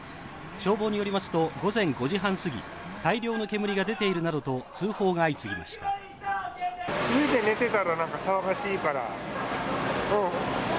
消防に寄りますと午前５時半過ぎ、大量の煙が出ているなどと通報が相次ぎました。